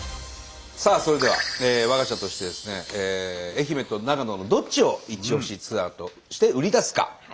さあそれでは我が社としてですね愛媛と長野のどっちをイチオシツアーとして売り出すか。